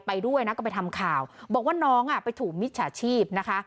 ไปด้วยนะก็ไปทำข่าวบอกว่าน้องอ่ะไปถูกมิจฉาชีพนะคะ